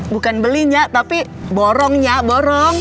bukan belinya tapi borongnya borong